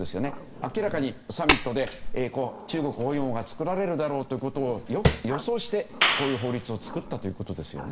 明らかにサミットで中国包囲網が作られるだろうということを予想して、こういう法律を作ったということですよね。